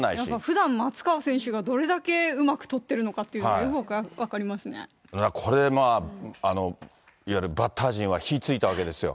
ふだんまつかわ選手がどれだけうまく捕ってるのかっていうのこれでまあ、いわゆるバッター陣は火ついたわけですよ。